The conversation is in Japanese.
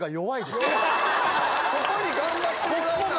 ここに頑張ってもらわな